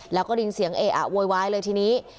แล้วก็ได้ยินเสียงเออะโวยวายเลยทีนี้